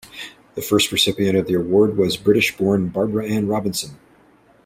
The first recipient of the award was British-born Barbara Anne Robinson.